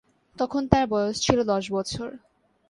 তখন তাঁর বয়স ছিল দশ বছর।